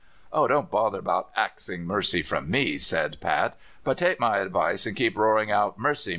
"Oh, don't bother about axing mercy from me," said Pat; "but take my advice and keep roaring out 'Mercy!